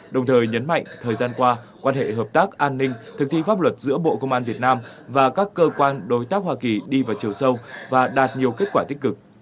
đồng thời nhấn mạnh thời gian qua quan hệ hợp tác an ninh thực thi pháp luật giữa bộ công an việt nam và các cơ quan đối tác hoa kỳ đi vào chiều sâu và đạt nhiều kết quả tích cực